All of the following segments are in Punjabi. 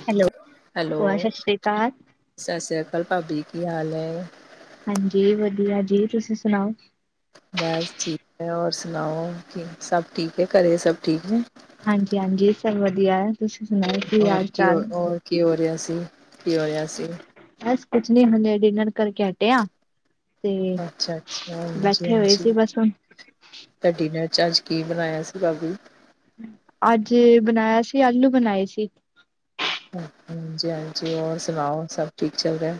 ਹੈਲੋ। ਭੂਆ ਹੈਲੋਅ ਸਤਿ ਸ਼੍ਰੀ ਅਕਾਲ ਸਸਿਆਕਲ ਭਾਬੀ, ਕੀ ਹਾਲ ਨੇ? ਹਾਂਜੀ, ਵਧੀਆ ਜੀ। ਤੁਸੀ ਸੁਣਾਓ? ਬਸ ਠੀਕ ਐ, ਔਰ ਸੁਣਾਓ ਕਿ ਸਭ ਠੀਕ ਐ ਘਰੇ ਸਭ ਠੀਕ ਨੇ? ਹਾਂਜੀ- ਹਾਂਜੀ ਸਭ ਵਧੀਆ ਐ, ਤੁਸੀਂ ਸੁਣਾਉ ਕੀ ਹੋਰ ਆਲ- ਚਾਲ? ਹੋਰ ਕੀ ਓ ਰਿਆ ਸੀ, ਕੀ ਓ ਰਿਆ ਬੱਸ ਕੁਛ ਨੀ ਹਲੇ ਡਿਨਰ ਕਰਕੇ ਹੱਟੇ ਆਂ। ਤੇ, ਅੱਛਾ ਅੱਛਾ ਹਾਂਜੀ ਬੈਠੇ ਹੋਏ ਹਾਂਜੀ ਸੀ, ਬੱਸ ਹੁਣ। ਤਾਂ ਡੀਨਰ 'ਚ' ਅੱਜ ਕੀ ਬਣਾਇਆ ਸੀ ਬਾਬੂ? ਅੱਜ ਬਣਾਇਆ ਸੀ, ਆਲੂ ਬਣਾਏ ਸੀ। ਹੁ ਆਂਜੀ-ਆਂਜੀ ਔਰ ਸੁਣਾਓ, ਸਭ ਠੀਕ ਚੱਲ ਰਿਹਾ?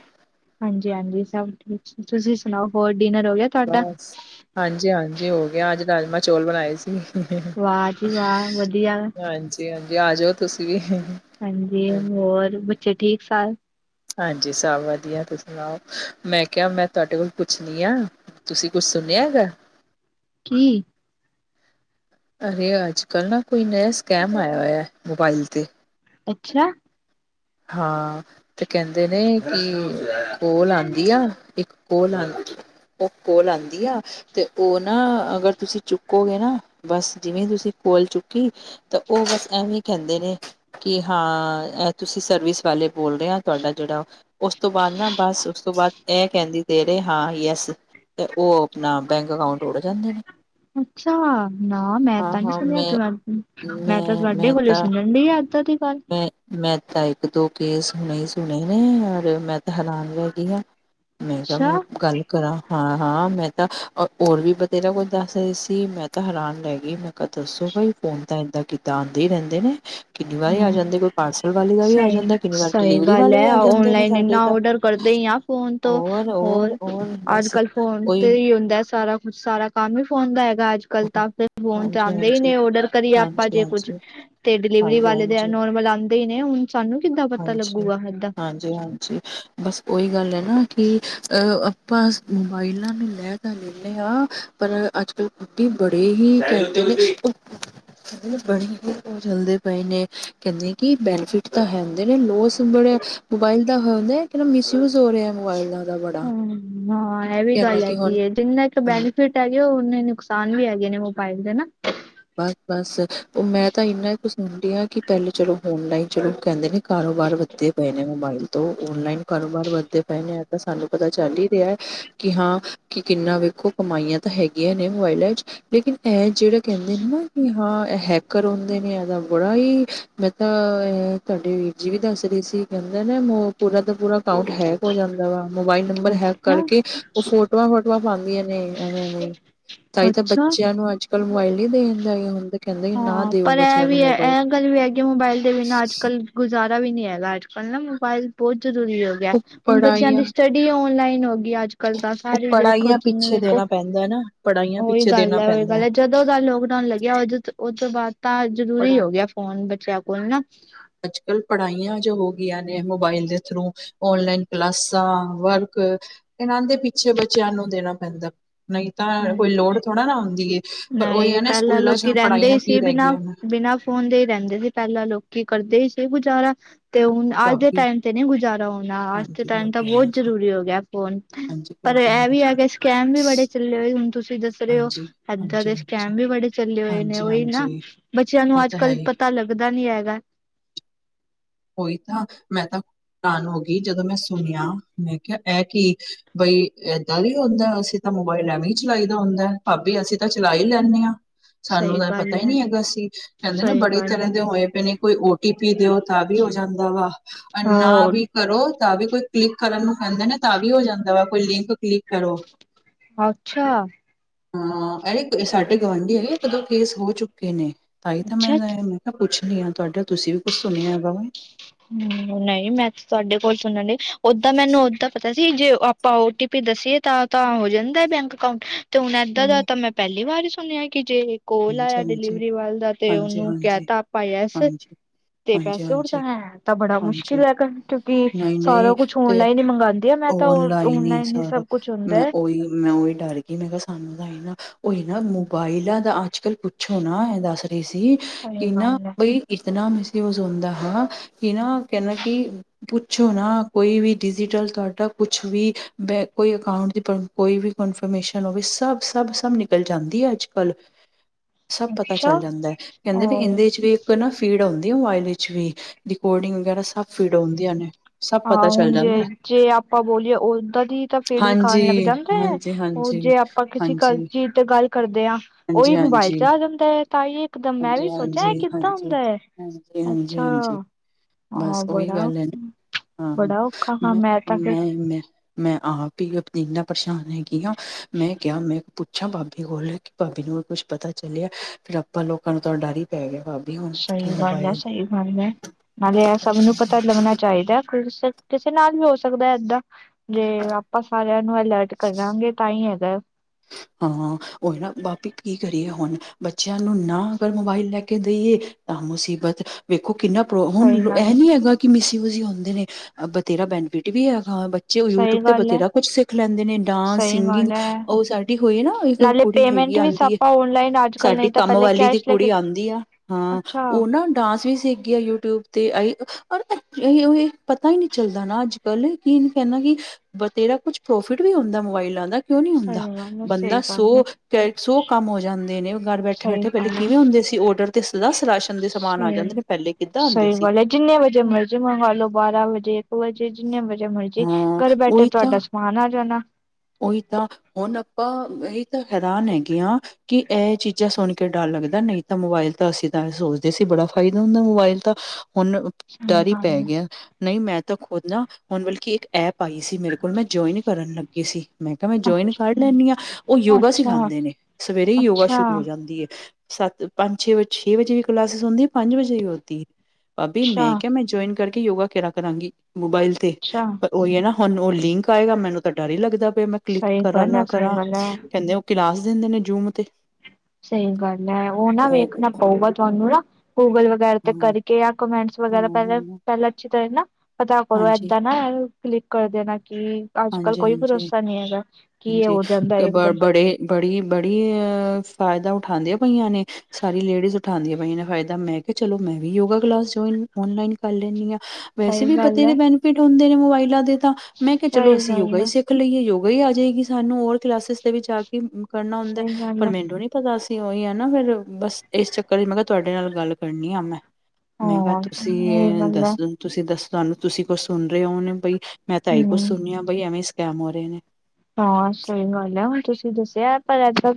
ਹਾਂਜੀ-ਹਾਂਜੀ ਸਭ ਠੀਕ, 'ਚ' ਤੁਸੀ ਸਣਾਓ ਹੋਰ ਡਿਨਰ ਹੋ ਗਿਆ ਤੁਹਾਡਾ ਬਾਸ ਹਾਂਜੀ-ਹਾਂਜੀ ਹੋ ਗਿਆ ਅੱਜ ਰਾਜਮਾਂ-ਚੌਲ ਬਣਾਏ ਸੀ। ਹਹ-ਹਹ ਵਾਹ ਜੀ ਵਾਹ ਵਧੀਆ ਹਾਂਜੀ-ਹਾਂਜੀ ਆ ਜੋ ਤੁਸੀ ਵੀ। ਹਾਂਜੀ ਹੋਰ, ਬੱਚੇ ਠੀਕ ਸਾਰੇ? ਹਾਂਜੀ ਸਭ ਵਧੀਆ ਤੁਸਣਾਓ? ਮੈਂ ਕਿਆ ਮੈਂ ਧਾਡੇ ਕੋਲ ਪੁੱਛਣੀ ਆਂ। ਤੁਸੀ ਕੁਸ ਸੁਣਿਆ ਹੈਗਾ? ਕੀ? ਅਰੇ ਅੱਜ-ਕੱਲ ਨਾ ਕੋਈ ਨਯਾ ਸਕੈਮ ਆਇਆ ਹਇਐ ਮੋਬਾਈਲ 'ਤੇ। ਅੱਛਿਆ! ਹਾਂ। ਤੇ ਕਹਿੰਦੇ ਨੇ ਕੀ ਕੋਲ ਆਂਦੀ ਆ, ਇੱਕ ਕੋਲ ਆਂ ਓ ਕੋਲ ਆਂਦੀ ਆ ਤੇ ਓ ਨਾ ਅਗਰ ਤੁਸੀ ਚੁੱਕੋਗੇ ਨਾ ਬੱਸ ਜਿਵੇਂ ਈ ਤੁਸੀ ਕੋਲ ਚੁੱਕੀ ਤਾਂ ਓ ਬੱਸ ਐਵੀਂ ਕਹਿੰਦੇ ਨੇ ਕੀ ਹਾਂ ਤੁਸੀਂ ਸਰਵਿਸ ਵਾਲੇ ਬੋਲਦੇ ਆਂ ਤੁਹਾਡਾ ਜਿਹੜਾ ਉਸ ਤੋਂ ਬਾਅਦ ਨਾ ਬੱਸ, ਉਸ ਤੋਂ ਬਾਅਦ ਐਂ ' [unintelligible] ' ਹਾਂ ਯੈਸ। ਤੇ ਉਹ ਅਪਣਾ ਬੈਂਕ ਅਕਾਊਂਟ ਉਡ ਜਾਂਦੇ ਨੇ। ਅੱਛਾ, ਨਾ ਮੈਂ ਤਾ ਨੀ ਹਾਂ-ਹਾਂ ਸੁਣਿਆ ਮੈਂ ਤੁਹਾਡੇ ਕੋਲ ਮੈਂ ਤਾਂ ਤੁਆਡੇ ਕੋਲੋਂ ਸੁਣਿਐ। ਡੀ ਇੱਦਾ ਦੀ ਗੱਲ। ਮੈਂ-ਮੈਂ ਤਾ ਇੱਕ, ਦੋ ਕੇਸ ਹੁਣੇ ਈ ਸੁਣੇ ਨੇ ਔਰ ਮੈਂ ਤਾ ਹੈਰਾਨ ' [unintelligible] ' ਮੈਂ ਅੱਛਾ ਤੁਹਾਨੂੰ ਕੱਲ੍ਹ ਕਰਾਂ, ਹਾਂ-ਹਾਂ ਮੈਂ ਤਾ, ਅ ਔਰ ਵੀ ਬਤੇਰਾ ਕੁੱਝ ਦੱਸ ਅਈ ਸੀ ਮੈਂ ਤਾ ਹਰਾਨ ਰਹਿ ਗੀ ਮੈਂ ਕਾਂ ਦੱਸੋ ਬਈ ਫੋਨ ਤਾਂ ਏਦਾਂ ਕਿੱਦਾਂ ਆਂਦੇ ਈ ਰਹਿੰਦੇ ਨੇ ਕ ਕਿੰ ਦਾ ਵੀ ਆ ਹਮ ਜਾਂਦੇ ਕੋਈ ਪਾਰਸਲ ਵਾਲੀ ਦਾ ਵੀ ਆ ਸਹੀ ਜਾਂਦਾ ਕਿੰਨੀ ਵਾਰ ਸਹੀ ਡਿਲੀਵਰੀ ਗੱਲ ਵਾਲੇ ਵੀ ਹੈ ਆ ਜਾਂਦੇ ਨੇ ਸਾਡੇ ਤਾਂ। ਤੋ ਔਰ ਹੋਰ ਔਰ ਔਰ ਬਸ ਅੱਜ-ਕੱਲ ਫੋਨ ਉਹੀ ਤੇ ਈ ਹੁੰਦੈ ਸਾਰਾ ਕੁਛ ਸਾਰਾ ਕੰਮ ਈ ਫੋਨ ਦਾ ਐਗਾ ਅੱਜ ਕੱਲ੍ਹ ਹਾਂਜੀ ਤਾਂ ਫਿਰ ਫੋਨ ਤੇ ਹਾਂਜੀ ਆਂਦੇ ਈ ਹਾਂਜੀ ਨੇ ਓਡਰ ਕਰੀਏ ਆਪਾ ਜੇ ਕੁੱਝ ਹਾਂਜੀ ਤੇ ਡਿਲੀਵਰੀ ਕਰ ਹਾਂਜੀ ਵਾਲੇ ਦੇ ਹਾਂਜੀ ਅੋਰਮਲ ਆਦੇ ਹੀ ਨੇ। ਹੁਣ ਸਾਨੂੰ ਕਿੱਦਾਂ ਪਤਾ ਹਾਂਜੀ, ਲੱਗੂਗਾ ਇਦਾਂ। ਹਾਂਜੀ-ਹਾਂਜੀ। ਬੱਸ ਓਹੀ ਗੱਲ ਏ ਨਾ ਕਿ ਅ ਆਪਾਂ ਮੋਬਾਈਲਾਂ ਨੂੰ ਲੈ ਲੈਂਦੇ ਆ, ਪਰ ਅੱਜ-ਕੱਲ੍ਹ ਕੱਲ ' [unintelligible] ' ਬੜੇ ਹੀ ' [unintelligible] ' ਪੈਂਦੇ ਨੇ। ਬਣੇ ਉਹ ਚੱਲਦੇ ਪਏ ਨੇ। ਕਹਿੰਦੇ ਕਿ ਬੈਨੀਫਿਟ ਤਾਂ ਹੈਦੇ ਨੇ ਲੋਸ ਬੜਾ‌। ਮੋਬਾਇਲ ਦਾ ' [unintelligible] ' ਕਿਹਾ ਮਿਸਯੂਜ ਹੋ ਰਿਹਾ ਮੋਬਾਇਲ ਦਾ। ਉਹਦਾ ਬੜਾ ਹਮ, ਹਾਂ, ਇਹ ਵੀ ਕਹਿੰਦਾ ਗੱਲ ਐ ਕਿ ਹੁਣ ਜਿੰਨੇ ਇੱਕ ਹਾਂ ਬੇਨੀਫਿਟ ਹੈਗੇ, ਉਹਨੇ ਨੁਕਸਾਨ ਵੀ ਹੈਗੇ ਨੇ ਮੋਬਾਇਲ ਦੇ ਨਾ। ਬੱਸ-ਬੱਸ। ਉਹ ਮੈਂ ਤਾਂ ਇੰਨਾ ਕੁ ਸੁਣਦੀ ਹਾਂ ਕਿ ਪਹਿਲੇ ਚਲੋ ਹੋਣ ਲ ਹੀ ਚਲੋ ਕਹਿੰਦੇ ਨੇ ਕਾਰੋਬਾਰ ' [unintelligible] ' ਪਏ ਨੇ ਮੋਬਾਈਲ। ਤੋਂ ਓਨਲਾਈਨ ਕਾਰੋਬਾਰ ਵੱਧਦੇ ਪਾਏ ਨੇ ਇਹ ਤਾਂ ਸਾਨੂੰ ਪਤਾ ਚੱਲ ਹੀ ਰਿਹਾ ਕਿ, ਹਾਂ। ਕਿ ਕਿੰਨਾ ਵੇਖੋ ਕਮਾਈਆਂ ਤਾਂ ਹੈਗੀਆਂ ਨੇ ਮੋਬਾਈਲਾਂ 'ਚ' ਲੇਕਿਨ ਐ ਜਿਹੜਾ ਕਹਿੰਦੇ ਨੇ ਨਾ ਕਿ ਹਾਂ ਇਹ ਹੈਕਰ ਹੁੰਦੇ ਨੇ। ਇਹਦਾ ਬੜਾ ਹੀ, ਮੈਂ ਤਾਂ, ਤੁਹਾਡੇ ਜੀ ਵੀ ਦੱਸ ਰਹੀ ਸੀ ਕਹਿੰਦੇ ਨੇ ਮ ਪੂਰਾ ਦਾ ਪੂਰਾ। ਅਕਾਊਟ ਹੈਕ ਹੋ ਜਾਂਦਾ ਵਾ, ਮੋਬਾਈਲ ਨੰਬਰ ਹੈਕ ਅੱਛਾ ਕਰਕੇ ਉਹ ਫੋਟੋਆਂ ਫੋਟੋਆਂ ਪਾਦੀਆਂ ਨੇ। ਐਵੇਂ-ਐਵੇਂ ਸਹੀ ਤਾਂ ਅੱਛਾ ਬੱਚਿਆਂ ਨੂੰ ਅੱਜ-ਕੱਲ੍ਹ ਮੋਬਾਇਲ ਦੇਣ ਦਾ ਹੁੰਦਾ। ਹਾਂ, ਪਰ ਇਹ ਵੀ ਇਹ ਗੱਲ ਵੀ ਹੈਗੀ ਮੋਬਾਇਲ ਦੇ ਬਿਨਾਂ ਅੱਜ-ਕੱਲ੍ਹ ਗੁਜ਼ਾਰਾ ਵੀ ਨੀ ਹੈਗਾ। ਅੱਜ-ਕੱਲ੍ਹ ਨਾ ਮੋਬਾਇਲ ਬਹੁਤ ਜ਼ਰੂਰੀ ਹੋ ਗਿਆ ਉਹ ਹੁਣ ਬੱਚਿਆਂ ਪੜ੍ਹਾਈਆਂ ਦੀ ਸਟੱ- ਡੀ ਔਨਲਾਈਨ ਹੋ ਗਈ ਅੱਜ। ਗਲ ਤਾਂ ਉਹ ਸਾਰੀ ਦੇੇਖੋ ਪੜ੍ਹਾਈਆਂ ਜਿਨੂੰ ਪਿੱਛੇ ਵੇਖੋ, ਦੇਣਾ ਪੈਂਦਾ ਨਾ ਪੜ੍ਹਾਈਆਂ ਉਹੀ ਪਿੱਛੇ ਗੱਲ ਦੇਣਾ ਏ ਉਹੀ ਪੈਂਦਾ ਗੱਲ ਹੈ ਏ। ਜਦੋ ਦਾ ਲੋਕਡਾਊਨ ਲੱਗਿਆ ਉਦੋ ਤੋਂ ਬਾਅਦ ਤਾਂ ਜਰੂਰੀ ਪੜ੍ਹਾ ਹੋ ਗਿਆ ਫੋਨ ਬੱਚਿਆਂ ਕੋਲ ਨਾ। ਅੱਜ-ਕੱਲ੍ਹ ਪੜ੍ਹਾਈਆਂ ਜੋ ਹੋ ਗਈਆਂ ਨੇ ਮੋਬਾਇਲ ਦੇ ਥਰੂ। ਔਨਲਾਈਨ ਕਲਾਸਾਂ, ਵਰਕ। ਇਹਨਾਂ ਦੇ ਪਿੱਛੇ ਬੱਚਿਆਂ ਨੂੰ ਦੇਣਾ ਪੈਦਾ‌ ਨਹੀਂ ਤਾਂ ਕੋਈ ਲੋੜ ਥੋੜਾ ਨਾ ਹੁੰਦੀ ਏ। ਪਰ ਉਹੀ ਨਹੀ ਹੈ ਨਾ ਪਹਿਲਾਂ ਸਕੂਲਾਂ ਚ ਲੋਕੀ ਹੁਣ ਰਹਿੰਦੇ ਪੜ੍ਹਾਈਆਂ ਹੀ ਕੀ ਸੀ ਰਹਿ ਗਈਆਂ ਨੇ ਬਿਨਾਂ-ਬਿਨਾਂ ਫ- ਫੋਨ ਹੀ ਰਹਿੰਦੇ ਸੀ ਪਹਿਲਾਂ ਲੋਕੀ ਕਰਦੇ ਹੀ ਸੀ ਗੁਜ਼ਾਰਾ। ਤੇ ਹੁਣ ਅੱਜ ਦੇ ਭਾਬੀ ਟਾਈਮ ਤੇ ਨਹ ਗੁਜ਼ਾਰਾ ਹੋਣਾ। ਅੱਜ ਦੇ ਹਾਂਜੀ ਟਾਈਮ ਤਾਂ ਭਾਬੀ ਬਹੁਤ ਹਾਂਜੀ। ਜ਼ਰੂਰੀ ਹੋ ਗਿਆ ਫੋਨ। ਹਾਂਜੀ ਭਾਬੀ ਹਾਂਜੀ। ਕੈਮ ਵੀ ਬੜੇ ਚੱਲੇ ਹੋਏ ਹੁਣ ਤੁਸੀ ਦੱਸ ਰਹੇ ਹੋ। ਹਾਂਜੀ, ਏਦਾਂ ਹਾਂਜੀ, ਦੇ ਹਾਂਜੀ, ਸਕੈਮ ਵੀ ਬੜੇ ਚੱਲੇ ਹੋਏ ਨੇ ਹਾਂਜੀ, ਉਹੀ ਨਾ ਹਾਂਜੀ ਬੱਚਿਆਂ ਨੂੰ ਉਹ ਤਾਂ ਹੈ ਅੱਜ-ਕੱਲ ਹੀ। ਪ- ਤਾਂ ਲੱਗਦਾ ਨੀ ਹੈਗਾ। ਉਹੀ ਤਾਂ ਮੈਂ ਤਾਂ ਹੈਰਾਨ ਹੋ ਗਈ। ਜਦੋਂ ਮੈਂ ਸੁਣਿਆ, ਮੈਂ ਕਿਹਾ ਇਹ ਕਿ ਬਈ ਏਦਾਂ ਵੀ ਹੁੰਦਾ ਅਸੀ ਤਾਂ ਮੋਬਾਇਲ ਐਵੇ ਹੀ ਚਲਾਈਦਾ ਹੁੰਦਾ। ਭਾਬੀ ਅਸੀਂ ਤਾਂ ਚਲਾ ਹੀ ਲੈਣੇ ਆ। ਸਾਨੂੰ ਸਹੀ ਤਾਂ ਪਤਾ ਗੱਲ ਹੀ ਹੈ ਨਹੀ ਹੈਗਾ ਸੀ। ਕਹਿੰਦੇ ਨਾ ਸਹੀ ਬੜੇ ਗੱਲ ਤਰ੍ਹਾਂ ਹੈ ਦੇ ਹੋਏ ਪਏ ਨੇ ਕੋਈ ਓ ਟੀ ਪੀ ਦਿਓ। ਤਾਂ ਵੀ ਹੋ ਜਾਂਦਾ ਵਾ ਐਨਾ ਹਾਂ ਵੀ। ਕਰੋ ਤਾਂ ਵੀ ਕੋਈ ਕਲਿੱਕ ਕਰਨ ਨੂੰ ਪੈਦਾ ਨਾ ਤਾਂ ਵੀ ਹੋ ਜਾਂਦਾ ਵਾ ਕੋਈ ਲਿੰਕ ਕਲਿੱਕ। ਕਰੋ ਅੱਛਾ। ਹਾਂ ਇਹੜੇ ਸਾਡੇ ਗੁਵਆਂਢੀ ਹੈਗੇ ਕਦੋਂ ਕੇਸ ਹੋ ਚੁੱਕੇ ਨੇ ਤਾਂ ਹੀ ਤਾਂ ਮੈ ਅੱਛਾ ਮੈ ਪੁੱਛ ਨ ਹਾਂ ਤੁਹਾਡਾ ਤੁਸੀ ਵੀ ਕੁੱਛ ਸੁਣਿਆ ਹੈਗਾ। ਹਮ ਨਹੀ ਮੈ ਤੁਹਾਡੇ ਕੋਲ ਸੁਣ ਡਾਈ ਓਦਾਂ ਮੈਨੂੰ ਓਦਾਂ ਪਤਾ, ਜ ਜੇ ਆਪਾਂ ਓ ਟੀ ਪੀ ਦੱਸੀਏ ਤਾਂ ਤਾਂ ਹੋ ਜਾਂਦਾ ਬੈਂਕ ਅਕਾਊਟ ਤੇ ਹੁਣ ਏਦਾਂ ਹਮ, ਦਾ ਤਾਂ ਮੈਂ ਪਹਿਲੀ ਵਾਰ ਹੀ ਸੁਣਿਆ ਕਿ ਜੇ ਕੋਲ ਹਾਂਜੀ ਆਇਆ ਹਾਂਜੀ ਡਿਲੀਵਰੀ ਵੱਲ ਤੇ ਹਾਂਜੀ, ਉਹਨੂੰ ਕਹਿ ਹਾਂਜੀ, ਤ ਆਪਾ ਯਸ ਹਾਂਜੀ, ਤੇ ਹਾਂਜੀ, ਹਾਂਜੀ, ਹੈ ਤਾਂ ਬੜਾ ਮੁਸ਼ਕਿਲ ਹਾਂਜੀ ਹੈਗਾ ਕਿਉਕਿ ਸਾਰਾ ਨਹੀਂ-ਨਹੀਂ ਕੁਛ ਤੇ ਔਨਲਾਈਨ ਹੀ ਮੰਗਉ- ਔਨਲਾਈਨ ਹੀ ਨਹੀ ਸਾਰਾ। ਹੁੰਦਾ ਮੈਂ ਹੈ ਓਹੀ ਮੈਂ ਉਹੀ ਡਰ ਮੈ ਕਿਹਾ ਸਾਨੂੰ ਤਾਂ ਇਹ ਨਾ ਹੋਏ ਨਾ ਮੋਬਾਇਲਾਂ ਦਾ ਅੱਜ-ਕੱਲ੍ਹ ਪੁੱਛੋ ਨਾ ਇਹਦਾ ਅ- ਸੀ ਸਹੀ ਕਿ ਨਾ ਗੱਲ ਹੈ ਬਈ ਇਤਨਾ ਮਿਸਯੂਜ ਹੁੰਦਾ ਹੈਨਾ ਕਿ ਨਾ ਕਹਿੰਦਾ ਕਿ ਪੁੱਛੋ ਨਾ ਕੋਈ ਵੀ ਡਿਜੀਟਲ ਤੁਹਾਡਾ ਕੁਛ ਵੀ ਬੈ ਕੋਈ ਅਕਾਊਟ ਦੀ ਕੋਈ ਵੀ ਇਨਫਰਮੇਸ਼ਨ ਹੋਵੇ ਸਭ-ਸਭ-ਸਭ ਨਿਕਲ ਜਾਂਦੀ ਐ ਅੱਜ-ਕੱਲ੍ਹ। ਸਭ ਪਤਾ ਅੱਛਾ ਚੱਲ ਜਾਂਦਾ ਏ ਕਹਿੰਦੇ ਅ ਇਹਦੇ ਚ ਵੀ ਕੋਈ ਨਾ ਫੀਡ ਆਦੀ ਆ ਮੋਬਾਇਲ ਵਿੱਚ ਵੀ ਰਿਕੋਡਿੰਗ ਵਗੈਰਾ ਸਭ ਫੀਡ ਹੁੰਦੀਆਂ ਨੇ। ਸਭ ਹਾਂ ਪਤਾ ਚੱਲ ਹੁਣ ਜਾਂਦਾ ਜੇ-ਜੇ ਆਪਾਂ ਬੋਲੀਏ ਓਦਾਂ ਦੀ ਤਾਂ ਫੇਡ ਵੀਖਾਣ ਲੱਗ ਹਾਂਜੀ, ਜਾਣਗੇ ਹਾਂਜੀ, ਹਾਂਜੀ। ਉਹ ਹਾਂਜੀ, ਜੇ ਆਪਾਂ ਕਿਸੇ ਗੱਲ ਹਾਂਜੀ, ਚੀਜ਼ ਤੇ ਗੱਲ ਕਰਦੇ ਆ ਹਾਂਜੀ, ਉਹੀ ਮੋਬਾਇਲ ਹਾਂਜੀ, ਹਾਂਜੀ, ਜਾ ਜਾਂਦਾ ਐ ਤਾਂਹੀ ਇਕਦਮ ਮੈਂ ਵੀ ਸੋਚਿਆ ਕਿੱਦਾਂ ਹਾਂਜੀ। ਹੁੰਦਾ ਐ, ਹਾਂਜੀ, ਹਾਂਜੀ, ਅੱਛਾ। ਹਾਂਜੀ ਬਸ ਹਾਂ ਓਹੀ ਬੜਾ ਗੱਲ ਐ ਨਾ, ਹਾਂ ਬੜਾ ਔਖਾ ਕੰਮ ਮੈਂ ਤਾਂ ਫਿਰ ਮੈਂ-ਮੈਂ-ਮੈਂ ਮੈਂ ਆਪ ਇਨਾ ਪਰੇਸ਼ਾਨ ਹੈਗੀਆਂ, ਮੈਂ ਕਿਹਾ ਮੈਂ ਪੁੱਛਾਂ ਬਾਬੇ ਕੋਲੇ ਕਿ ਬਾਬਾ ਨੂੰ ਕੁਛ ਪਤਾ ਚੱਲਿਆ ਫਿਰ ਆਪਾਂ ਲੋਕਾਂ ਨੂੰ ਤਾਂ ਡਰ ਈ ਪੈ ਗਿਆ ਬਾਬਾ ਸਹੀ ਗੱਲ ਐ ਸਹੀ ਗੱਲ ਐ ਨਾਲੇ ਇਹ ਸਭ ਨੂੰ ਪਤਾ ਲੱਗਣਾ ਚਾਹੀਦਾ। ਕਿਸੇ ਨਾਲ ਵੀ ਹੋ ਸਕਦਾ ਏਦਾਂ। ਜੇ ਆਪਾਂ ਸਾਰਿਆਂ ਨੂੰ ਅਲਰਟ ਕਰਾਂਗੇ ਤਾਂ ਹੀ ਹੈਗਾ। ਹਾਂ ਉਹੀ ਨਾ ਬਾਕੀ ਕੀ ਕਰੀਏ ਹੁਣ ਬੱਚਿਆਂ ਨੂੰ ਨਾ ਅਗਰ ਮੋਬਾਇਲ ਲੈ ਕੇ ਦੇਈਏ ਤਾਂ ਮੁਸੀਬਤ ਵੇਖੋ ਕਿੰਨਾ ਪ੍ਰੋ ਹੁਣ ਸਹੀ ਇਹ ਗੱਲ। ਨੀ ਹੈਗਾ ਕਿ ਮਿਸਯੂਜ ਹੀ ਹੁੰਦੇ ਨੇ ਤੇ ਬਥੇਰਾ ਬੈਨੀਫਿਟ ਵੀ ਹੈਗਾ ਬ- ਬੱਚੇ ਉਹ ਸਹੀ ਯੂਟਿਊਬ ਤੇ ਗੱਲ ਹੈ, ਬਥੇਰਾ ਕੁਛ ਸਿੱਖ ਲੈਦੇ ਨੇ ਡਾਂਸ, ਸਹੀ ਸਿੰਗਿੰਗ ਗੱਲ ਹੈ, ਉਹ ਸਾ- ਹੋਈ ਨਾ ਉਹ ਇੱਕ ਨਾਲੇ ਕੁੜੀ ਹੈਗੀ ਪੇਮੈਂਟ ਵੀ ਆਦੀ ਐ ਆਪਾਂ ਔਨਲਾਈਨ ਅੱਜ ਕੱਲ ਸਾਡੀ ਨਹੀਂ ਤਾਂ ਕੰਮ ਪਹਿਲੇ ਵਾਲੀ ਦੀ ਕੈਸ਼ ਲੈ ਕੁੜੀ ਕੇ ਆਦੀ ਆ। ਹਾਂ ਅੱਛਾ। ਉਹ ਨਾ ਡਾਸ ਵੀ ਸੀਗੀ ਆ ਯੂ- ਟਿਊਬ ਤੇ ਆਈ ਉਹੀ ਉਹੀ ਇਹ ਪਤਾ ਈ ਨੀ ਚੱਲਦਾ ਨਾ ਅੱਜ-ਕੱਲ੍ਹ ਕੀ ਕਹਣਾ ਕਿ ਬਥੇਰਾ ਕੁਝ ਪ੍ਰੋਫਿਤ ਵੀ ਹੁੰਦਾ ਮੋਬਾਈਲਾਂ ਦਾ। ਕਿਉ ਨੀ ਸਹੀ ਹੁੰਦਾ ਗੱਲ ਹੈ, ਸਹੀ ਬੰਦਾ ਗੱਲ ਸੌ ਹੈ, ਕ ਸੌ ਕੰਮ ਹੋ ਜਾਂਦੇ ਨੇ। ਘਰ ਸਹੀ ਬੈਠੇ-ਬੈਠੇ ਪਹਿਲੇ ਗੱਲ ਹੈ, ਕਿਵੇ ਹੁੰਦੇ ਸੀ ਔਡਰ ਤੇ ਸ ਦਸ ਰਾਸ਼ਨ ਦੇ ਸਮਾਨ ਆ ਸਹੀ। ਜਾਂਦੇ ਨੇ ਪਹਿਲੇ ਕਿੱ- ਸਹੀ ਗੱਲ ਐ। ਜਿੰਨੇ ਵਜੇ ਮਰਜ਼ੀ ਮੰਗ ਲਓ ਬਾਰਾਂ ਵਜੇ, ਇੱਕ ਵਜੇ ਜਿੰਨੇ ਵਜੇ ਮਰ- ਜੀ ਹਾਂ ਘਰ ਬੈਠੇ ਤੁਹਾਡਾ ਸਮਾਨ ਆ ਜਾਣਾ। ਓਹੀ ਤਾ ਹੁਣ ਆਪਾਂ ਇਹੀ ਤਾਂ ਹੈਰਾਨ ਹੈਗੇ ਆ। ਕਿ ਇਹ ਚੀਜ਼ਾਂ ਸੁਣ ਕੇ ਡਰ ਲੱਗਦਾ ਨਹੀ ਤਾਂ ਮੋਬਾਇਲ ਤਾਂ ਅਸੀਂ ਤਾਂ ਸੋਚਦੇ ਸੀ ਬੜਾ ਫਾਇਦਾ ਹੁੰਦਾ ਮੋਬਾਇਲ। ਤਾਂ ਹੁਣ ਸਹੀ ਡਰ ਈ ਗੱਲ ਪੈ ਹੈ, ਗਿਆ ਨਹੀਂ ਮੈਂ ਤਾਂ ਖੁਦ ਨਾ ਹੁਣ ਬਲਕਿ ਇੱਕ ਐਪ ਆਈ ਸੀ, ਮੇਰੇ ਕੋਲ ਮੈ ਜੁਆਇਨ ਕਰਨ ਲੱਗੀ ਸੀ। ਮੈ ਕਿਹਾ ਮੈਂ ਜੁਆਇਨ ਕਰ ਅੱਛਾ। ਲੈਣੀ ਆ। ਉਹ ਯੋਗਾ ਅੱਛਾ, ਸਿਖਾਦੇ ਨੇ, ਸਵੇਰੇ ਹੀ ਯੋਗਾ ਅੱਛਾ, ਸ਼ੁਰੂ ਹੋ ਜਾਂਦੀ ਐ। ਸੱਤ, ਪੰਜ, ਛੇ ਵਜੇ, ਛੇ ਵਜੇ ਵੀ ਕਲਾਸਿਸ ਹੁੰਦੀ ਪੰਜ ਵਜੇ ਹੋਤੀ ਐ। ਅਭੀ ਅੱਛਾ, ਮੈ ਕਹਿਆ ਮੈਂ ਜੁਆਇਨ ਕਰਕੇ ਯੋਗਾ ਕਰਾ ਕਰਾਗੀ ਮੋਬਾਇਲ ਤੇ। ਅੱਛਾ ਉਹੀ ਐ ਨਾ ਹੁਣ ਉਹ ਲਿੰਕ ਆਏਗਾ ਮੈਨੂੰ ਤਾਂ ਡਰ ਈ ਲੱਗਦਾ ਪ ਮੈਂ ਕਲਿੱਕ ਸਹੀ ਕਰਾਂ ਗੱਲ ਐ, ਨਾ ਸਹੀ ਕਰਾਂ ਗੱਲ ਐ। ਕਹਿੰਦੇ ਕਲਾਸ ਦਿੰਦੇ ਨੇ ਜੂਮ ਤੇ। ਸਹੀ ਗੱਲ ਐ, ਉਹ ਨਾ ਵੇਖਣਾ ਪਊਗਾ ਤੁਹਾਨੂੰ ਨਾ ਗੂਗਲ ਵਗੈਰਾ ਤੇ ਹਾਂ ਕਰਕੇ ਕਮੈਟਸ ਵਗੈਰਾ ਹਾਂ ਪਹਿਲਾਂ-ਪਹਿਲਾਂ ਅੱਛੀ ਤਰ੍ਹਾਂ ਨਾ ਪਤਾ ਕਰੋ, ਹਾਂਜੀ ਏਦਾਂ ਨਾ ਕਲਿੱਕ ਕਰ ਦੇਣਾ ਕਿ ਅੱਜ ਕੱਲ ਹਾਂਜੀ ਕੋਈ ਹਾਂਜੀ ਭਰੋਸਾ ਨੀ ਹੈਗਾ। ਕੀ ਹੋ ਜਾਂਦਾ ਇਕਦਮ। ਬੜੀ-ਬੜੀ ਅਹ ਫਾਇਦਾ ਉਠਾਦੀਆਂ ਪਈਆਂ ਨੇ ਸਾਰੀ ਲੇਡੀਜ਼ ਉਠਾਦੀਆ ਪਾਈਆ ਨੇ ਫਾਇਦਾ ਮੈਂ ਕਿਹਾ ਚਲੋ ਮੈਂ ਵੀ ਯੋਗਾ ਕਲਾਸ ਜੁਆਇਨ ਓਨਲਾਈਨ ਕਰ ਲੈਣੀ ਆ ਸਹੀ ਵੈਸੇ ਵੀ ਗੱਲ ਐ। ਟ ਹੁੰਦੇ ਨੇ ਮੋਬਾਇਲਾਂ ਦੇ ਤਾਂ, ਮੈਂ ਕਿਹਾ ਚਲੋ ਸਹੀ ਅਸੀਂ ਯੋਗਾ ਗੱਲ ਹੀ ਐ, ਸਿੱਖ ਖ ਲਈਏ ਯੋਗਾ ਈ ਆ ਜਾਏਗੀ ਸਾਨੂੰ ਹੋਰ ਕਲਾਸਿਸ ਦੇ ਵਿੱਚ ਆ ਕੇ ਕਰਨਾ ਹੁੰਦਾ ਸਹੀ ਗੱਲ ਪਰ ਐ, ਮੈਨੂੰ ਨੀ ਪਤਾ ਅਸੀਂ ਉਹੀ ਆ ਨਾ ਫਿਰ ਬਸ ਇਸ ਚੱਕਰ ਦੀ ਮੈਂ ਕਿਹਾ ਤੁਹਾਡੇ ਨਾਲ ਗੱਲ ਕਰਨੀ ਆ ਮੈਂ। ਮੈਂ ਕਿਹਾ ਹਾਂ ਤੁਸੀਂ ਇਹ ਐਹ ਗੱਲ ਐ। ਦੱਸ- ਤੁਸੀਂ ਦੱਸੋ ਤੁਹਾਨੂੰ ਤੁਸੀਂ ਕੁਛ ਸੁਣ ਰਹੇ ਹੋ, ਬਈ ਮੈਂ ਤਾਂਹੀ ਕੁਛ ਹੂੰ, ਸੁਣਿਆ ਬਈ ਐਵੇਂ ਸਕੈਮ ਹੋ ਰਹੇ ਨੇ। ਹਾਂ ਸਹੀ ਗੱਲ ਐ, ਹੁਣ ਤੁਸੀਂ ਦੱਸਿਆ ਪਰ ਇ-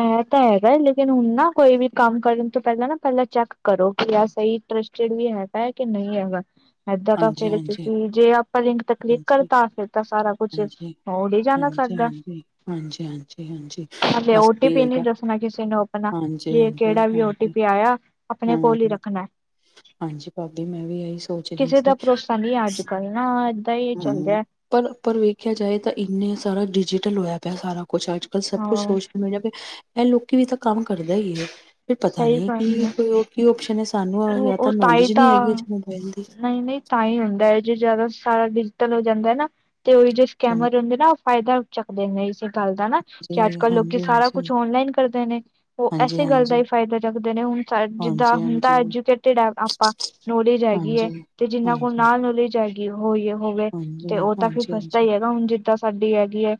ਇਹ ਤਾਂ ਹੈਗਾ ਲੇਕਿਨ ਹੁਣ ਨਾ ਕੋਈ ਵੀ ਕੰਮ ਕਰਨ ਤੋਂ ਪਹਿਲਾਂ ਨਾ ਪਹਿਲਾਂ ਚੈੱਕ ਕਰੋ, ਕਿ ਆ ਸਹੀ ਟਰੱਸਟਡ ਵੀ ਹੈਗਾ ਐ ਕਿ ਨਹੀਂ ਹੈਗਾ। ਏਦਾਂ ਤਾਂ ਫਿਰ ਹਾਂਜੀ-ਹਾਂਜੀ। ਤੁਸੀਂ ਜੇ ਆਪਾਂ ਲਿੰਕ ਤਾਂ ਕਲਿੱਕ ਤਾਂ ਫਿਰ ਤਾਂ ਸਾਰਾ ਕੁਛ ਉਡ ਹੀ ਜਾਣਾ ਸਾਡਾ ਹਾਂਜੀ-ਹਾਂਜੀ-ਹਾਂਜੀ-ਹਾਂਜੀ ਹਲੇ ਬਸ ਓ ਟੀ [unintelligible] ਪੀ ਨੀ ਐਗਾ। ਦੱਸਣਾ ਕਿਸੇ ਨੂੰ ਆਪਣਾ ਜੇ ਕਿਹੜਾ ਵੀ ਓ ਟੀ ਹਾਂਜੀ-ਹਾਂਜੀ-ਹਾਂਜੀ ਪੀ ਆਇਆ ਆਪਣੇ ਕੋਲ ਹੀ ਹਮ ਰੱਖਣਾ ਹਾਂਜੀ ਭਾਬੀ ਮੈਂ ਵੀ ਇਹੀ ਸੋਚ ਰਹੀ ਕਿਸੇ ਸੀ। ਦਾ ਭਰੋਸਾ ਨਹੀਂ ਐ ਅੱਜ-ਕੱਲ ਨਾ ਏਦਾਂ ਹੀ ਚੱਲ ਐ। ਪਰ-ਪਰ ਵੇਖਿਆ ਜਾਏ ਤਾਂ ਇੰਨੇ ਸਾਰਾ ਡਿਜੀਟਲ ਹੋਇਆ ਪਿਆ ਸਾਰਾ ਕੁਛ ਅੱਜ। ਅ ਸਭ ਕੁਛ ਹਾਂ ਸੋਸ਼ਲ ਮੀਡੀਆ ਤੇ ਐ ਲੋਕੀ ਵੀ ਤਾਂ ਕੰਮ ਕਰਦਾ ਹੀ ਐ। ਫਿਰ ਪਤਾ ਸਹੀ ਨੀ ਗੱਲ ਕਿ ਹੈ ਕੀ ਔਪਸ਼ਨ ਐ। ਸਾਨੂੰ ਜਾਂ ਤਾਂ ਉਹ ਹੀ ਨੌਲੇਜ ਨਹੀਂ ਹੈਗੀ ਤਾਂ ਅੱਜ-ਕੱਲ ਮੋਬਾਇਲ ਦੀ ਨਹੀਂ-ਨਹੀਂ ਤਾਂ ਹੀ ਹੁੰਦਾ ਏ ਜੇ ਜ਼ਿਆਦਾ ਸਾਰਾ ਡਿਜੀਟਲ ਹੋ ਜਾਂਦਾ ਐ ਨਾ। ਤੇ ਉਹੀ ਜੋ ਹਾਂਜੀ, ਸਕੈਮਰ ਹੁੰਦੇ ਨਾ। ਉਹ ਫਾਇਦਾ ਚੱਕਦੇ ਨੇ ਇਸੇ ਗੱਲ ਦਾ ਨਾ। ਕਿ ਅੱਜ-ਕੱਲ੍ਹ ਲੋਕੀ ਸਾਰਾ ਕੁਛ ਔਨਲਾਈਨ ਕਰਦੇ ਨੇ। ਉਹ ਇਸੇ ਹਾਂਜੀ-ਹਾਂਜੀ [unintelligible] ਨੇ ਹੁਣ ਜਿੱਦਾਂ ਹੁਣ ਤਾਂ ਹਾਂਜੀ, ਐਜੂਕੇਟਿਡ ਐ ਆਪਾਂ ਨੌਲੇਜ ਐਗੀ ਐ। ਤੇ ਜਿਨਾਂ ਕੋਲ ਨੌਲੇਜ ਜਾਗੀ ਹੋਈ ਹੋਵੇ ਹਾਂਜੀ, ਤੇ ਉਹ ਤਾਂ ਫਿਰ ਹਾਂਜੀ, ਫਸਦਾ ਹਾਂਜੀ ਹੀ ਹੈਗਾ। ਹੁਣ ਜਿੱਦਾਂ ਸਾਡੀ ਹੈਗੀ ਆ।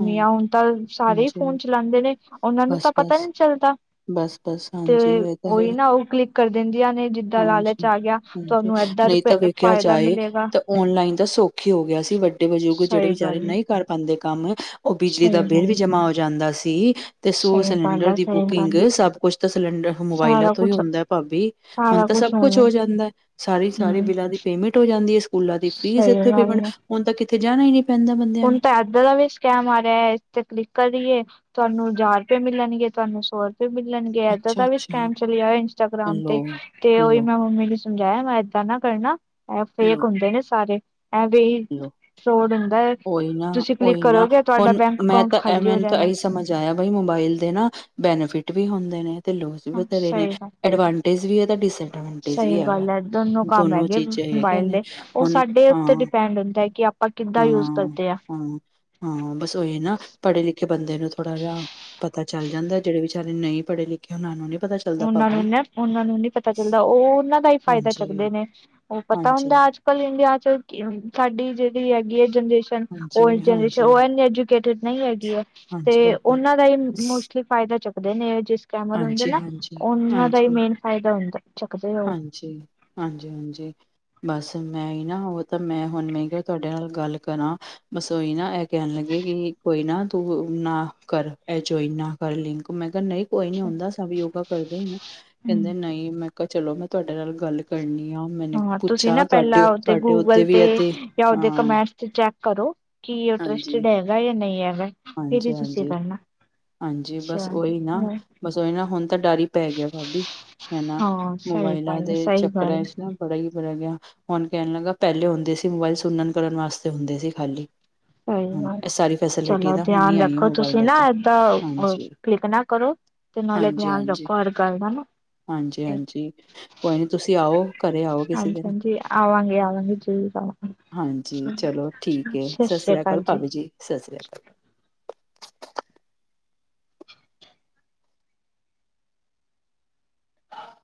ਹਾਂ ਹੁਣ ਤਾਂ ਸਾਰੇ ਹੀ ਹਾਂਜੀ, ਫੋਨ ਚਲਾਂਦੇ ਨੇ। ਉਹਨਾਂ ਨੂੰ ਤਾਂ ਪਤਾ ਹੀ ਬਸ-ਬਸ, ਨੀ ਚੱਲਦਾ। ਬਸ-ਬਸ ਤੇ ਹਾਂਜੀ ਇਹ ਤਾਂ ਹੈ ਉਹੀ ਹੀ। ਨਾ ਉਹ ਕਲਿੱਕ ਕਰ ਦਿੰਦੀਆਂ ਨੇ ਜਿੱਦਾਂ ਲਾਲਚ ਹਾਂਜੀ ਆ ਗਿਆ ਹਾਂਜੀ ਤੁਹਾਨੂੰ ਏਦਾਂ ਨਹੀਂ ਤਾਂ ਰੁਪਏ ਵੇਖਿਆ ਫਾਇਦਾ ਜਾਏ ਮਿਲੇਗਾ ਤਾਂ ਔਨਲਾਈਨ ਤਾਂ ਸੌਖੀ ਹੋ ਗਿਆ ਸੀ। ਵੱ ਵੱਡੇ ਬਜ਼ੁਰਗ ਜਿਹੜੇ ਸਹੀ ਬੀਚਾਰੇ ਗੱਲ ਹੈ ਨਹੀਂ ਕਰ ਪਾਂਦੇ ਕੰਮ ਉਹ ਬਿਜਲੀ ਦਾ ਸਹੀ ਬਿੱਲ ਵੀ ਗੱਲ ਹੈ ਜਮਾ ਹੋ ਜਾਂਦਾ ਸੀ। ਤੇ ਸੋ ਸਹੀ ਗੱਲ ਸਿਲੰਡਰ ਹੈ ਦੀ ਸਹੀ ਬੁਕਿੰਗ ਗੱਲ ਹੈ ਸਭ ਕੁਛ ਤਾਂ ਸਿਲੰਡਰ ਮੋਬਾਇਲਾਂ ਸਾਰਾ ਤੋਂ ਹੀ ਕੁਛ ਹੁੰਦਾ। ਭਾਬੀ। ਹੁਣ ਸਾਰਾ ਤਾਂ ਸਭ ਕੁਛ ਉਹਨੇ ਹੋ ਜਾਂਦਾ। ਸਾਰੀ-ਸਾਰੀ ਹੂੰ ਬਿੱਲਾਂ ਦੀ ਪੇਮੈਂਟ ਹੋ ਜਾਂਦੀ ਐ। ਇਸ ਸਕੂਲਾਂ ਦੀ ਫੀਸ ਸਹੀ ਇੱਥੋਂ ਪੇਮੈਂਟ ਗੱਲ ਹੈ ਹੁਣ ਤਾਂ ਕਿੱਥੇ ਜਾਣਾ ਈ ਨੀ। ਹੁਣ ਤਾਂ ਐਦਾ ਦਾ ਵੀ ਸਕੈਮ ਆ ਰਿਹਾ। ਇਸ ਤੇ ਕਲਿੱਕ ਕਰੀਏ ਤੁਹਾਨੂੰ ਹਜ਼ਾਰ ਰੁਪਏ ਮਿਲਣਗੇ। ਤੁਹਾਨੂੰ ਸੌ ਰੁਪਏ ਮਿਲਣਗੇ ਏਦਾਂ ਦਾ ਵੀ ਅੱਛਾ-ਅੱਛਾ, ਸਕੈਮ ਚਲਿਆ ਹੋਇਆ ਇੰਸਟਾਗ੍ਰਾਮ ਲੋ, ਤੇ। ਤੇ ਉਹੀ ਲੋ, ਮੈਂ ਮੰਮੀ ਨੂੰ ਸਮਝਾਇਆ ਮੈਂ ਏਦਾਂ ਨਾ ਕਰਨਾ। ਆ ਫੇਕ ਲੋ, ਹੁੰਦੇ ਨੇ ਸਾਰੇ। ਐ ਵੀ ਲੋ। ਫਰੋਡ ਹੁੰਦਾ ਐ। ਉਹੀ ਨਾ ਉਹੀ ਨਾ ਹੁਣ ਮੈਂ ਅਕਾਊਂਟ ਤਾਂ ਖਾਲੀ ਐਵੇੈ ਹੋ ਨਾ ਤਾਂ ਜਾਣਾ ਇਹੀ ਸਮਝ ਆਇਆ ਬਈ ਮੋਬਾਈਲ ਤੇ ਨਾ ਬੈਨੀਫਿਟ ਵੀ ਹੁੰਦੇ ਨੇ। ਤੇ ਲੋਸ ਵੀ ਹਾਂ ਵਥੇਰੇ ਨੇ। ਸਹੀ ਗੱਲ ਅਡਵੈ ਜ ਵੀ ਇਹਦਾ ਡਿਸ ਐਡਵਟਜ ਸਹੀ ਵੀ ਹੈਗਾ। ਗੱਲ ਹੈ ਕੰਮ ਦੋਨੋ ਹੈਗੇ ਚੀਜ਼ਾਂ ਹੈਗੀਆਂ ਮੋਬਾਇਲ ਨੇ ਦੇ ਉਹ ਹੁਣ ਸਾਡੇ ਉੱਤੇ ਹਾ। ਡਿਪੈਂਡ ਹੁੰਦਾ ਹੈ ਕਿ ਆਪਾਂ ਕਿੱਦਾਂ ਯੂਜ ਹਾਂ ਕਰਦੇ ਆ ਹਾਂ ਹਾਂ ਬਸ ਉਹੀ ਨਾ ਪੜ੍ਹੇ ਲਿਖੇ ਬੰਦੇ ਨੂੰ ਥੋੜ੍ਹਾ ਜਿਹਾ ਪਤਾ ਚੱਲ ਜਾਂਦਾ ਐ। ਜਿਹੜੇ ਵਿਚਾਰੇ ਨਹੀਂ ਪੜ੍ਹੇ ਲਿਖੇ ਉਹਨਾਂ ਨੂੰ ਨਹੀਂ ਪਤਾ ਚਲਦਾ। ਉਹਨਾਂ ਨੂੰ ਨਾ ਉਹਨਾਂ ਨੂੰ ਨਹੀਂ ਪਤਾ ਚੱਲਦਾ। ਉਹ ਉਹਨਾਂ ਦਾ ਹੀ ਫਾਇਦਾ ਹਾਂਜੀ ਚੱਕਦੇ ਨੇ। ਉਹ ਪਤਾ ਹਾਂਜੀ ਹੁੰਦਾ ਅੱਜ ਹਜੇ ਇੰਡੀਆ 'ਚ ਕੀ ਹੁਣ। ਸਾਡੀ ਜਿਹੜੀ ਹੈਗੀ ਆ ਜਨਰੇਸ਼ਨ ਹਾਂਜੀ ਓਲਡ ਜਨਰੇਸ਼ਨ ਉਹ ਹਾਂਜੀ ਐਨੇ ਐਜੂਕੇਟਡ ਨਹੀਂ ਐਗੀ ਐ। ਤੇ ਹਾਂਜੀ ਭਾਬੀ ਉਹਨਾਂ ਦਾ ਇਹ ਮੋਸਟਲੀ ਫਾਇਦਾ ਚੁੱਕਦੇ ਨੇ। ਇਹ ਜਿਹੜੇ ਸਕੈਮਰ ਹੁੰਦੇ ਹਾਂਜੀ ਨਾ। ਹਾਂਜੀ ਉਨ੍ਹਾਂ ਦਾ ਹੀ ਮੇਨ ਫਾਇਦਾ ਹੁੰਦਾ ਚੱਕਦੇ ਉਹ। ਅੱਛਾ ਜੀ ਹਾਂਜੀ-ਹਾਂਜੀ ਬਸ ਮੈਂ ਹੀ ਨਾ ਉਹ ਤਾਂ ਮੈਂ ਹੁਣ ਨਹੀਂ ਤਾਂ ਤੁਹਾਡੇ ਨਾਲ ਗੱਲ ਕਰਾਂ। ਬਸ ਉਈ ਨਾ ਇਹ ਕਹਿਣ ਲੱਗੇ ਕਿ ਕੋਈ ਨਾ ਤੂੰ ਨਾ ਕਰ। ਇਹ ਜੋਈ ਨਾ ਕਰ ਲਿੰਕ ਮੈਂ ਕਿਹਾ ਨਹੀਂ ਕੋਈ ਨੀ ਹੁੰਦਾ। ਸਭ ਯੋਗਾ ਕਰਦੇ ਨੇ। ਹਮ ਕਹਿੰਦੇ ਨਹੀਂ ਮੈਂ ਕਿਹਾ ਚਲੋ ਮੈਂ ਤੁਹਾਡੇ ਨਾਲ ਗੱਲ ਕਰਨੀ ਆ। ਮੈਨੇ ਹਾਂ ਤੁਸੀਂ ਪੁੱਛਾ ਨਾ ਪਹਿਲਾਂ ਤੁਹਾਡੇ ਉਹਦੇ ਤੁਹਾਡੇ ਉੱਤੇ ਗੂਗਲ ਵੀ ਤੇ ਇਦੇ ਜਾਂ ਉਹਦੇ ਹਾਂ ਕਮੈਂਟਸ ਤੇ ਚੈੱਕ ਕਰੋ। ਕੀ ਇੰਟਰਸਟਡ ਹੈਗਾ ਜਾਂ ਨਹੀਂ ਹੈਗਾ। ਫਿਰ ਹਾਂਜੀ ਹੀ ਤੁਸੀਂ ਹਾਂਜੀ ਕਰਨਾ ਹਾਂਜੀ ਬਸ ਅੱਛਾ ਓਹੀ ਨਾ ਬਸ ਉਹੀ ਨਾ ਹੁਣ ਤਾਂ ਡਰ ਈ ਪੈ ਗਿਆ ਭਾਬੀ ਹਨਾ। ਹਾਂ ਸਹੀ ਮੋਬਾਇਲਾਂ ਗੱਲ ਹੈ, ਦੇ ਸਹੀ ਗੱਲ ਚੱਕਰਾਂ ਹੈ, 'ਚ ਨਾ ਬੜਾ ਹੀ ਬੜਿਆ ਗਿਆ। ਹੁਣ ਕਹਿਣ ਲੱਗਾ ਪਹਿਲੇ ਹੁੰਦੇ ਸੀ। ਮੋਬਾਇਲ ਸੁਨਣ ਕਰਨ ਵਾਸਤੇ ਹੁੰਦੇ ਸੀ ਖਾਲੀ। ਸਹੀ ਹਾਂ ਗੱਲ ਐ ਸਾਰੀ ਫੈਸਿਲਿਟੀ ਤਾਂ ਹੁਣ ਹੀ ਧਿਆਨ ਆਈ ਹੈ ਰੱਖੋ ਤੁਸੀਂ ਮੋਬਾਇਲਾਂ ਤੋਂ ਨਾ ਏਦਾਂ ਹਾਂਜੀ ਕਲਿੱਕ ਨਾ ਕਰੋ। ਤੇ ਨਾਲ਼ੇ ਹਾਂਜੀ ਧਿਆਨ ਹਾਂਜੀ ਰੱਖੋ ਹਰ ਗੱਲ ਦਾ ਨਾ। ਹਾਂਜੀ ਹਾਂਜੀ ਕੋਈ ਨੀ ਤੁਸੀਂ ਆਓ। ਘਰੇ ਆਓ ਕਿਸੇ ਹਾਂਜੀ- ਦਿਨ ਹਾਂਜੀ ਆਂਵਾਂਗੇ- ਆਂਵਾਂਗੇ ਜ਼ਰੂਰ ਆਂਵਾਂਗੇ। ਹਾਂਜੀ ਚਲੋ ਠੀਕ ਐ ਸੱਸਰੀਕਾਲ ਭਾਬੀ ਜੀ ਸੱਸਰੀਕਾਲ।